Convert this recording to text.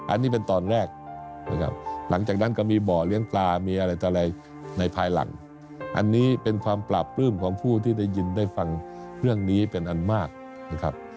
อันนี้เป็นตอนแรกนะครับหลังจากนั้นก็มีบ่อเลี้ยงปลามีอะไรต่ออะไรในภายหลังอันนี้เป็นความปราบปลื้มของผู้ที่ได้ยินได้ฟังเรื่องนี้เป็นอันมากนะครับ